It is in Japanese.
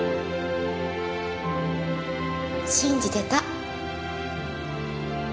信じてた。